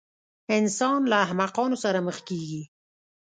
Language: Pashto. انسان له احمقانو سره مخ کېږي.